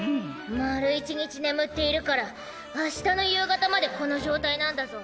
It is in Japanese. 丸１日眠っているから明日の夕方までこの状態なんだゾ。